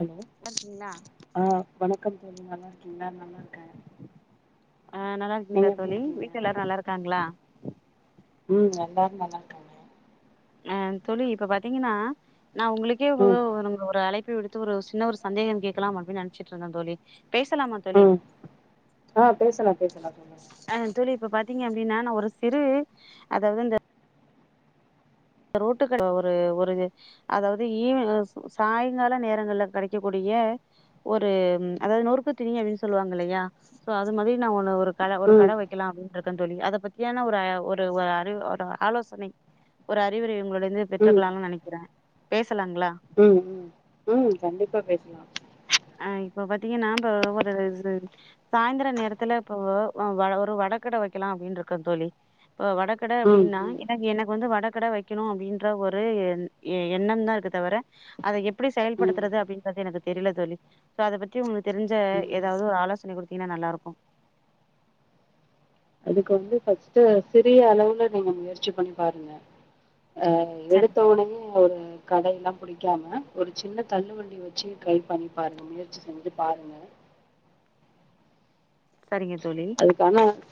Hello நல்லாருக்கீங்களா ஆ வணக்கம் சொல்லுங்க மேம் ஆ நல்லா நீங்க இருக்கிங்ளா எப்டி தோழி இருக்கீங்க வீட்ல எல்லாரு நல்லாருக்காங்ளா ம் எல்லாரு நல்லா இருக்காங்க ஆ தோழி இப்ப பாத்தீங்கன்னா நா உங்களுக்கே ஒ ம் ஒரு ஒரு அழைப்பு விடு த்து சின்ன ஒரு சந்தேக கேட்கலாம் அப்டின்னு நெனச்சுட்டு இருந்தே தோழி பேசலாமா தோழி ம் ஆ பேசலா பேசலா சொல்லுங்க ஆ தோழி இப்ப பாத்தீங்க அப்டின்னா ஒரு சிறு அதாவது இந்த ரோட்டு கட ஒரு ஒரு அதாவது ஈவ் சாய்ங்கால நேரங்கள்ல கெடைக்க கூடிய ஒரு அதாவது நொறுக்கு தீணி அப்டின்னு சொல்லுவாங்க இல்லையா சோ அது மாரி நா ஒண்ணு ஒரு கட ஒரு ம் கட வைக்கலா அப்டின்ற இருக்க தோழி அத பத்தியான ஒரு ஒரு அறி ஒரு ஆலோசனை ஒரு அறிவுரை உங்களுடைது வந்து ம் பெற்றுக்கலாம்னு நெனைக்கிறே பேசலாங்களா ம் ம் ம் கண்டிப்பா பேசலா அ இப்ப பாத்தீங்கன்னா இப்ப ஒரு சாய்ந்தர நேரத்துல இப்ப ஒ வ ஒரு வடகட வைக்கலா அப்டின்னு இருக்க தோழி இப்ப வடகட ம் அப்டின்னா ம் எனக்கு எனக்கு வந்து வட கட வைக்கணு அப்டின்ற ஒரு எண் எண்ணம் தா இருக்கு தவர அத எப்டி ம் செயல்படுத்தறது அப்டின்றது எனக்கு தெரில தோழி சோ அத பத்தி உங்குளுக் தெரிஞ்ச ம் எதாவுது ஒரு ஆலோசனை குடு ங்னா நல்லாருக்கு அதுக்கு வந்து ஃபஸ்ட் சிறிய அளவுல நீங்க முயற்சி பண்ணி பாருங்க அ சரி எடுத்த ஒடனே ஒரு கடைல்லா புடிக்காம ஒரு சின்ன தள்ளு வண்டி வச்சு ட்ரை பண்ணி பாருங்க முயற்சி செஞ்சு பாருங்க சரிங்க தோழி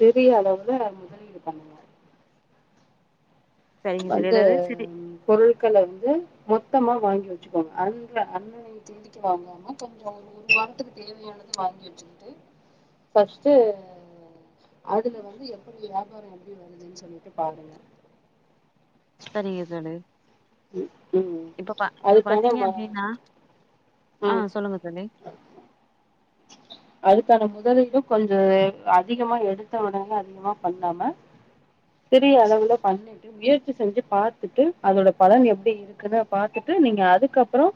பெரிய அளவுல முதலீடு பண்ணுங்க சரிங்க தோழி வந்து ஏதாவது சரி பொருள் ட்கள வந்து மொத்தமா வாங்கி வச்சுக்கோங்க அன்ற அண்ணன்ன [unintelligible] வாங்காம கொஞ்ச ஒரு ஒரு வாரத்துக்கு தேவையானத வாங்கி வச்சுக்கிட்டு ஃபஸ்ட்டு அதுல வந்து எப்படி வியாபார எப்பிடி வருதுன்னு சொல்லிட்டு பாருங்க சரிங்க தோழி ம் ம் இப்ப பா இப்ப அதுக்கான பாத்தீங்க ம அப்டின்னா ஆ ம் சொல்லுங்க தோழி அதுக்கான முதலீடு கொஞ்ச அதிகமா எடுத்த உடனே அதிகமா பண்ணாம பெரிய அளவுல பண்ணிட்டு முயற்சி செஞ்சு பாத்துட்டு அதோட பலன் எப்டி இருக்குன்னு பாத்துட்டு நீங்க அதுக்கப்புறோ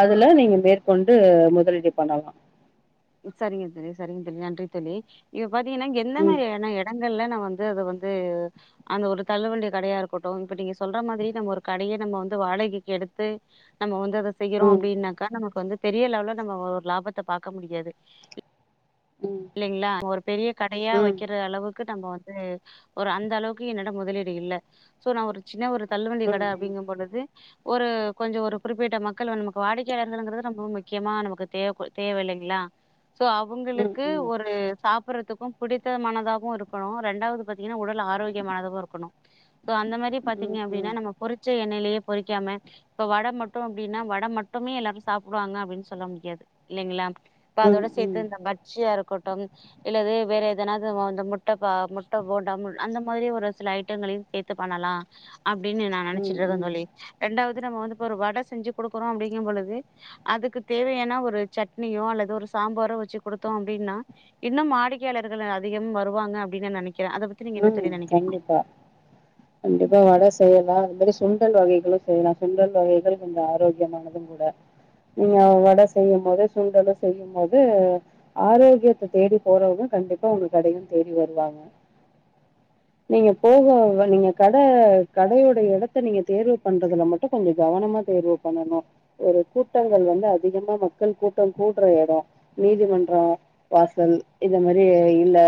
அதுல நீங்க மேற்கொண்டு முதலீடு பண்ணலா சரிங்க தோழி சரிங்க தோழி நன்றி தோழி இப் பாத்தீங்கன்னா எந்த ம் மாரி எட எடங்கள்ல நா வந் அது வந்து அந்த ஒரு தள்ளு வண்டி கடையா இருக்கட்டு இப்ப நீங்க சொல்ற மாரி நம்ம ஒரு கடய நம்ம வந்து வாடகைக்கு எடுத்து நம்ம வந்து அதை செய்யறோ ம் அப்டின்னாக்கா நமக்கு வந்து பெரிய அளவில நம்ம ஒரு லாபத்த பாக்க முடியாது ம் இல்லைங்களா ஒரு பெரிய கடையா ம் ம் வைக்கிற அளவு கு நம்ம வந்து ஒரு அந்த அளவுக்கு என்னட முதலீடு இல்ல சோ நா ஒரு சின்ன ஒரு தள்ளு வண்டி ம் கட அப்படிங்கும் பொழுது ஒரு கொஞ்ச ஒரு குறிப்பிட்ட மக்கள் வந்து நமக்கு வாடிக்கையாளர்கள்ங்கிறது ரொம்ப முக்கியமா நமக்கு தேவ் தேவை இலைங்களா சோ அவங்களு ம் ம் க்கு ம் ஒரு சாப் ப்பறதுக்கு பிடித்தமானதாவு இருக்கணு ரெண்டாவது பாத்தீங்கன்னா உடல் ஆரோக்கியமானதவு இருக்கணு சோ அந்த மாரி ம் ம் பாத்தீங்க அப்டினா நம்ம பொரிச்ச எண்ணெய்லேப் பொறிக்காம இப்ப வட மட்டு அப்டின்னா வட மட்டுமே எல்லாரு சாப்டுவாங்க அப்டின்னு சொல்ல முடியாது இல்லைங்களா இப்ப ம் அதோட ம் சேத்து இந்த ம [unintelligible] இருக்கட்டு இல்ல வேற எதனாவது முட்ட ப முட்ட போண்ட அந்த மாரி ஒரு சில ஐட்டங்களையு சேத்து பண்ணலா அப்படின்னு நா நெனைச்சிட்டு இருக்கெ ம் தோழி ரெண்டாவ் ந வந்து வடை செஞ்சு கொடுக்கறோ அப்படிங்கும் போது அதுக்கு தேவையான ஒரு சட்னியோ அல்லது ஒரு சாம்பாரோ வச்சு கொடுக் தோ அப்டின்னா இன்னு வாடிக்கையாளர்கள் அதிகம் வருவாங்க அப்டின்னு நா நெனைக் உம் கண்டிப்பா கண்டிப்பா வடை செய்யலா அது மாதிரி சுண்டல் வகைகளு செய்யலா சுண்டல் வகைகள் கொஞ்ச ஆரோக்கியமானது கூட நீங்க வடை செய்யும் போது சுண்டலு செய்யும்போது ஆரோக்கியத்தை தேடி போறவங்க கண்டிப்பா உங்க கடயு தேடி வருவாங்க நீங்க போக நீங்க கட கடையோட எடத்த நீங்க தேர்வு பண்றதுல மட்டும் கொஞ்சம் கவனமா தேர்வு பண்ணணும் ஒரு கூட்டங்கள் வந்து அதிகமா மக்கள் கூட்டம் கூடுற எட நீதிமன்ற வாசல் இத மாரி இல்ல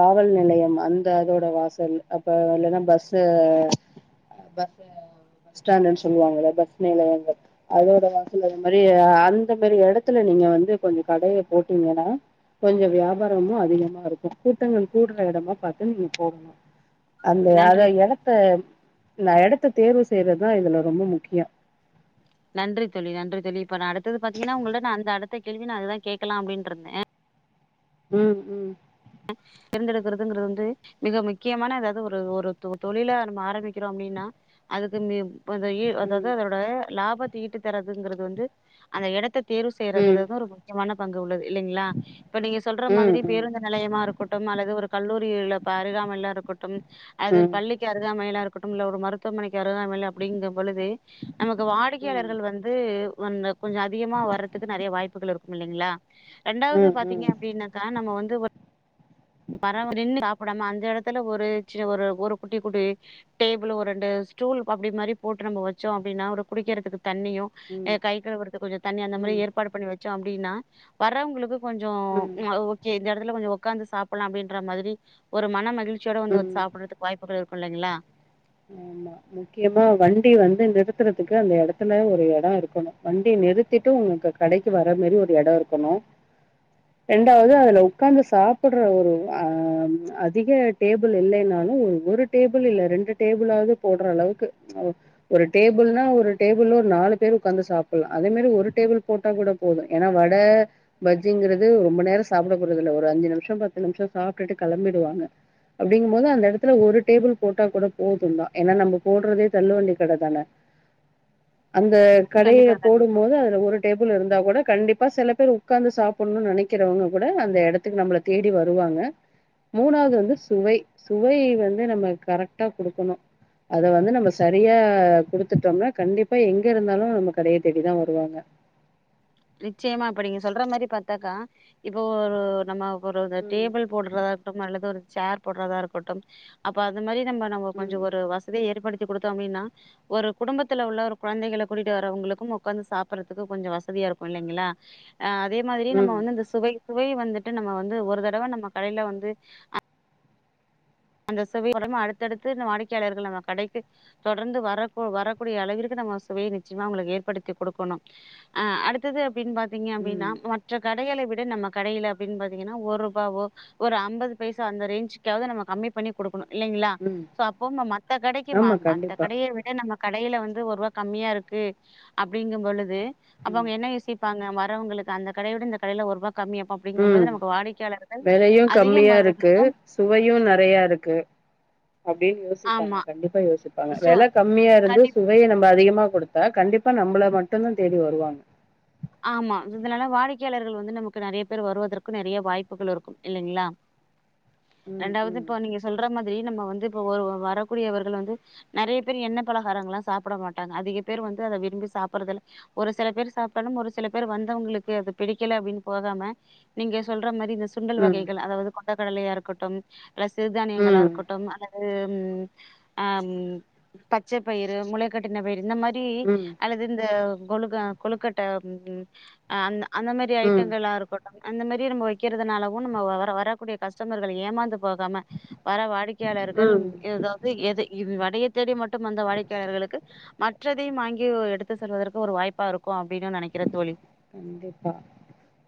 காவல் நிலையம் அந்த அதோட வாசல் அப்ப இல்லைன்னா பஸு பஸ் பஸ் ஸ்டாண்டன்னு சொல்லுவாங்க பஸ் நிலையங்கள் அதோட வாசல் அது மாதிரி அந்த மாரி எடத்துல நீங்க வந்து கொஞ்ச கடையை போட்டீங்கன்னா கொஞ்ச வியாபாரமு அதிகமா இருக்கு கூட்டங்கள் கூடுற இடமா பாத் து நீங்க போடணு அந்த அத நன்றி எடத்த நா டத்த தேர்வு செய்யறதுதா இதுல ரொம்ப முக்கியோ நன்றி தோழி நன்றி தோழி இப்ப நா அடுத்தது ப பாத்தீங்கன்னா உங்கள்கிட நா அந்த அடுத்த கேள்வி நா அதுதா கேட்கலா அப்டினு இருந்தே ம் ம் தேர்ந்தெடுக்கறிறதுங்கிறது வந்து மிக முக்கியமான ஏதாவது ஒரு ஒரு தொழில நம ஆரம்பிக்கிறோ அப்படின்னா அதுக்கு னு இப்போ அந்த ஏய் அதாவது ம் அதோட லாபத்த ஈட்டு தரதுங்கிறது வந்து அந்த எடத்த தேர்வு ம் செய்யறதுலதந்து ஒரு முக்கியமான பங்கு உள்ளது இல்லைங்களா இப்ப நீங்க சொல்ற மாதிரி ம் பேருந்த நெலையமா இருக்கட்டு அல்லது ஒரு கல்லூரியில அறகாமல இருக்கட்டு அது ம் பள்ளிக்கு அருகாமைல இருக் குட்டும்ல ஒரு மருத்துவமனைக்கு அருகாமைல அப்படிங்கும் பொழுது நமக்கு ம் ம் வாடிக்கையாளர்கள் வந்து வந் கொஞ்ச அதிகமா வர்றதுக்கு நறைய வாய்ப்புகள் இருக்கும் இல்லைங்ளா ரெண்டாவது ம் ம் பாத்தீங்க அப்படின்னாக்கா நம்ம வந் [inaudible] நின்னு போடாம அந்த எடத்துல ஒரு சின்ன ஒரு ஒரு குட்டி குட்டி டேபிளு ஒரு ரெண்டு ஸ்டூல் அப்டி மாரி போட்டு நம்ம வச்சோ அப்படின்னா ஒரு குடிக்கறதுக்கு தண்ணியு கை கழுவறதுக்கு கொஞ்ச தண்ணி அந்த மாரி ம் ஏற்பாடு பண்ணி வச் சோ அப்படின்னா வர்றவங்களுக்கு கொஞ்ச ம் ம் அ ஓகே இந்த எடத்துல கொஞ்ச ஒக்காந்து சாப் லா அப்படின்ற மாதிரி ஒரு மன மகிழ் ச்சியோட வந்து ம் சாப்படறதுக்கு வாய்ப்புகள் இ ருக்கில்லைங்ளா ஆமா முக்கியமா வண்டி வந்து நிறுத்துறதுக்கு அந்த எடத்துல ஒரு எட இருக்கணு வண்டி நிறுத்திட்டு உங்கு கடைக்கு வர மாரி ஒரு எட இருக்கணு ரண்டாவது அதுல உக்காந்து சாப்படுற ஒரு அ அதிக டேபிள் இல்லைன்னாலு ஒரு டேபிள் இல்ல ரெண்டு டேபுளாவது போடற அளவுக்கு ஒரு டேபிள்னா ஒரு டேபிளு ஒரு நாலு பேரு உக்காந்து சாப்படலா அதே மாரி ஒரு டேபிள் போட்டா கூட போது ஏன்னா வடை பஜ்ஜிங்கிறது ரொம்ப நேர சாப்ட போறது இல்ல ஒரு அஞ்சு நிமிஷ பத்து நிமிஷ சாப்ட்டுட்டு கெளம்பிடுவாங்க அப்படிங்கும் போது அந்த எடத்துல ஒரு டேபிள் போட்டா கூட போதுந்தா ஏன்னா நம்ம போடறதே தள்ளுவண்டி கட தானே அந்த கடைய கண்டிப்பா கண்டிப்பா போடும்போது அதுல ஒரு டேப் பிள் இருந்தா கூட கண்டிப்பா சில பேர் உக்காந்து சாப்புடனுனு நெனைக்கிறவங்க கூட அந்த எடத்துக்கு நம்பள தேடி வருவாங்க மூணாவது வந்து சுவை சுவை வந்து நம்ம கர க்டா குடுக்கணு அத வந்து நம்ம சரியா குடுத்துட்டம்னா கண்டிப்பா எங்க இருந்தாலு நம்ம கடைய தேடிதா வருவாங்க நிச்சயமா இப்ப நீங்க சொல்ற மாரி பாத்தாக்க இப்போ நம்ம ஒரு ம், டேபிள் போடுறதாகட்டும் அல்ல து ஒரு சேர் போடறதா இருக்கட்டும் அப்ப அது மாரி நம்ம நம்ம கொஞ்ச ம், ஒரு வசதிய ஏற்படுத் தி குடுத்தோ அப்டின்னா ஒரு குடும்பத்துல உள்ள ஒரு குழந்தைகள கூட்டிட்டு வரவங்களுக்கும் உக்காந்து சாப்பறதுக்கு கொஞ்ச வசதியா இருக் கு இல்லைங்களா அ அதே மாதிரி நம்ம ம், வந்து அந்த சுவை சுவை வந்துட்டு நம்ம வந்து ஒரு தடவ நம்ம கடைல வந்து அந்த சுவை உ அடுத்தடுத்து அந்த வாடிக்கையாளர்கள் நம்ம கடைக்கு தொடர்ந்து வரக்கு வரக்கூடிய அளவிற்கு நம்ம சுவைய நிச்சயமா அவங்களுக்கு ஏற்படுத்தி குடுக்கணு அ அடுத்தது அப்டின்னு பா திங்க அப்டின்னா ம், மற்ற க கடைகளை விட நம்ம கடையில அப்டினு பாத்திங்கன்னா ஒரு ருபாவோ ஒரு அம்பது பைசா அந்த ரேஞ்சுக்காவுது நம்ம கம்மி பண்ணி குடுக் குனு இல்லைங்களா ம். சோ அப்போ ம மத்த கடைக்கு ம ஆமா, மத்த கண்டிப்பா. கடைய விட நம்ம கடையில வந்து ஒர்ருவா கம்மியா இருக்கு அப்பிடிங்கும் பொழுது அப்ப ம், அவங்க என்ன யோசிப் பாங்க வரவங்களுக்கு அந்த கடையோட இந்த கடைல ஒருபா கம்மி அப்ப அப்டிங்கும்போது ம். நமக்கு வாடிக்கையாளர்கள் வெலையும் அதிகம் வருவதற்கும் க்கு அப்டின்னு யோசிப்பாங்க ஆமா கண்டிப்பா யோசிப்பாங்க சோ வெல கம்மியாருந்து கண்டிப் சுவைய நம்ப அதிக மா குடுத்த கண்டிப்பா நம்பள மட்டு தா தேடி வருவாங்க ஆமா இது இதனால வாடிக்கையாளர்கள் வந்து நமக்கு நெறைய பேர் வருவதற்கு நெறைய வாய்ப்புகள் இருக்கும் இல்லைங்களா ம் ரெண்டாவது ம் இப்ப நீங்க சொல்ற மாத் ரி நம்ம வந்து இப்போ வ வரக்கூடியவர்கள் வந்து நெறைய பேர் எண்ணெ பலகாரங்கள்லா சாப்புட மாட்டாங்க அதிக பேர் வந்து அத விரும்பி சாப்பட்றதில்ல ஒரு சில பேர் சாப் பல்ல ஒரு சில பேரு வந்தவங்களுக்கு அது பிடிக்கல அப்டின்னு போகாம நீங்க சொல்ற மாரி இந்த சுண்டல் ம் வகைகள் அதாவது கொண் ட கடலையா இருக்கட்டும் ர சிறுதானியங்களா ம் இருக்கட்டும் அத ஆ ம் ஆம் பச்ச பயிரு முளைக்கட்டின பயிரு இந்த மா ரி ம் அல்லது இந்த கொழுக்கா கொழுக்கட் ட ம் ம் அந்த அந்த மாரி ம் ஐட்டங்கள்லா இருக்கட்டு அந்த மாரி நம்ம விக்கிறதுனாலவு நம்ம வர வரக்கூடிய கஸ்டமர்கள் ஏமாந்து போகாம வர வாடிக்கையாளர்கள் ம் எதாவது எது இது வடயத் தேடி மட்டு வந்த வாடிக்கையாளர்களுக்கு மற்றதையு வாங்கி எடுத்து செல்வதற்கு ஒரு வாய்ப்பா இருக்கு அப் அப்டின்னு நெனைக்கிற தோழி கண்டிப்பா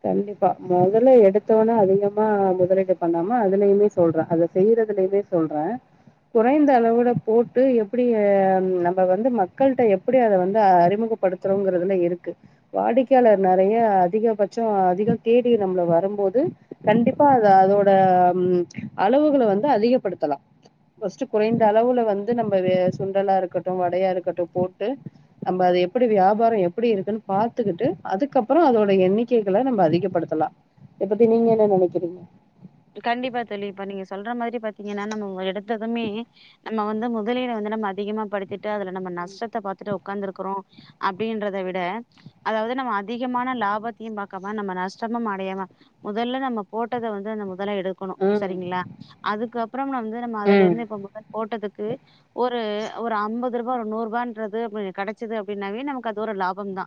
கண்டிப்பா மொதல்ல எடுத்தோன அதிகமா மொதலீடு பண்ணாம அதுலயுமே சொல்ற அத செய்றதுலயுமே சொல்ற கொறைந்த அளவோட போட்டு எப்டி ஏ நம்ப வந்து மக்கள்ட்ட எப்டி அத வந்து அறிமுகப்படுத்துறோங்கறதுல இருக்கு வாடிக் கையாளர் நறைய அதிகபட்சோ அதிக தேடி நம்புள வரும்போது கண்டிப்பா அத அதோட ம் அளவுகள வந்து அதிகப்படுத்தலா ஃபஸ்ட்டு குறைந்த அளவுல வந்து நம்ம வே சுண்டலாருக்கட்டு வடையாருக்கட்டு போட்டு நம்ப அது எப்பிடி வியாபாரோ எப்பிடி இருக்குன்னு பாத்துக்கிட்டு அதுக்கப்பறோ அதோட எண்ணிக்கைகள நம்ப அதிகப்படுத்தலா இதப்பத்தி நீங்க என்ன நெனைக்கிறீங்க கண்டிப்பா தோழி இப்ப நீங்க சொல்ற மாரி பாத்தீங்கன்னா நம்ம எடுத்ததுமே நம்ம வந்து முதலீட வந்து நம்ம அதிகமா படுத்தி ட்டு அதுல நம்ம நஷ்டத்த பாத்துட்டு உக்காந்துருக்கிறோ அப்டின்றத விட அதாவது நம்ம அதிகமான லாபத்தியு பாக்காம நம்ம நஷ்டமும் அடையாம மொதல்ல நம்ம போட்டத வந்து நம்ம மொதல்ல எடுக்கணு ம் சரிங்களா அதுக்கப்பற வந்து நம்ம ம் அதுலேர்ந்து இப்ப முதல் போட்டதுக்கு ஒரு ரு ஒரு ஐம்பது ரு பா ஒரு நூற் ருபான்றது அப்படி கெடைச்சது அப்டின்னாவே நமக்கு அது ஒரு லாபம் தா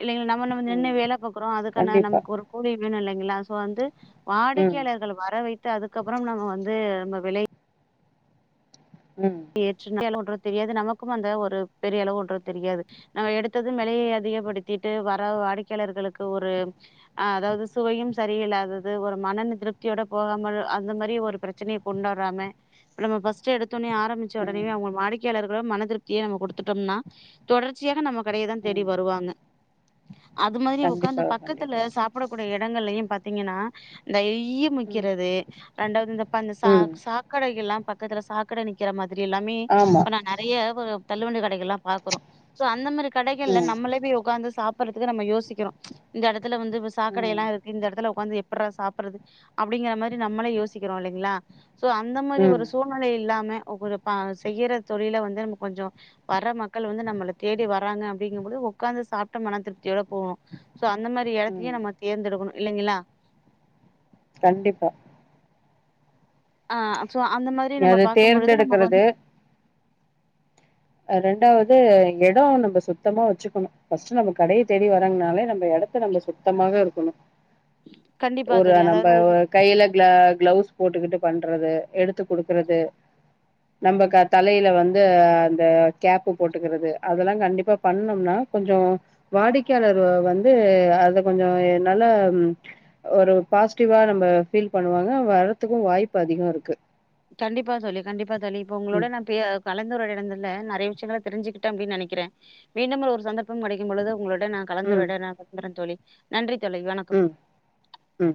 இல்லைங்களா நம்ம நம்ம நின்னு ம் வேல பாக்கறோ அதுக்கான கண்டிப்பா நமக்கு ஒரு கூலி வேணு இல்லைங்களா சோ வந்து வா ம் க்கையாளர்கள் வர வை த்து அதுக்கப்பற நம்ம வந்து நம்ம விலை ம் ஏற்று தெரியாது நமக்கு அந்த ஒரு பெரியளவு ஒன்று தெரியாது நம்ம எடுத்தது வெலைய அதிகப்படுத்திட்டு வர வாடிக்கையாளர்களுக்கு ஒரு அ அதாவது சுவையு சரியில்லாதது ஒரு மன திருப்த்தியோட போகாமல் அந்த மாரி ஒரு பெரச்சனைய கொண்டு வராம நம்ம ஃபஸ்ட்டு எடுத்தோனே ஆர் ஏஞ்ச உடனே ம் அவங்க வாடிக்கையாளர்க் மன திருப்திய நம்ம கொடுத்துட்டோம்னா தொடர்ச்சியாக நமக் கடயதா தேடி ம் வருவாங்க அது மாதிரி உக்காந்து கண்டிப்பாக பக்கத்துல கண்டிப்பாக சாப்பிடக்கூடிய எட இடங்கள்லயு பாத்தீங்கன்னா இந்த ஏய்ப் ஈ ம் முக்கிறது ரெண்டாவது இந்த அந்த பா சா ம் சாக்கடைகள்லா பக்கத்துல சாக்கடை நிக் விக்கிற மா மாதிரி எல்லாமே ஆமா இப்ப நா நெறைய ஒருப் தள்ளுவண்டி கடைகள்லா பாக்கறோ சோ அந்த மாரி கடைகள்ல ம் நம்மளே போய் ஒக்காந்து சாப் சாப்பறதுக்கு நம்ம யோசிக்கிறோ இந்த எடத் பக்கத்துல வந்து ம் சாக்கடைல்லா இருக்கு இந்த எடத்துல ஒக்காந்து எப் எப்பட்ற சாப்பறது அப்படிங்கற மாதிரி நம்மளே யோசிக்கிறோ இல்லைங்களா சோ அந்த மாரி ம் ஒரு சூழ்நிலை இல்லாம செய்யற தொழில வந்து நம்ம கொஞ்ச வர்ற மக்கள் வந்து நம்மள தேடி வர்றாங்க அப்டிங்கும்போது ஒக்காந்து சாப்பிட்ட மன திருப்தியோட போணு சோ அந்த மாரி ம் இடத்தையு நம்ம தேர்ந்தெடுக்கணு இல்லைங்ளா கண்டிப்பா ஆ சோ அந்த மாதிரி நம்ம அத பாக்கும்பொழுது நமக்கு தேர்ந்தெடுக்கிறது வந்து ரெண்டாவது எட நம்ம சுத்தமா வச்சுக்கணு ஃபஸ்ட்டு நம்ம கடைய தேடி வர்றாங்கனாலே நம்ம எடத்த நம்ம சுத்தமாக இருக்கணு கண்டிப்பா ஒரு தோழி நம்ம அதாவது கையில கிளா கிளவுஸ் போட்டுக்கிட்டு பண்றது எடுத்து குடுக்கறது நம்ம க தலையில வந்து அந் ஆ இந்த கேப்பு போட்டுக்கிறது அதெல்லா கண்டிப்பா பண்ணோம்னா கொஞ்ச வாடிக்கையாளர் வந்து அத கொஞ்ச நல்லா ஒரு பாசிட்டிவா நம்ம ஃபீல் பண்ணுவாங்க வர்றதுக்கு வாய்ப்பு அதிக இருக்கு கண்டிப்பா தோழி கண்டிப்பா தோழி இப்ப ம் உங்களோட நா பே கலந்துர [unintelligible] ந நெறைய விஷயங்கள தெரிஞ்சுக்கிட்ட அப்பனு நெனைக்கிறே மீண்டும் ஒரு சந்தர்பம் கெடைக்கும் பொழுது உங்களோட நா ம் கலந்துட நா [unintelligible] தோழி நன்றி தோழி வணக்கம் ம் ம்